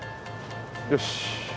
よし！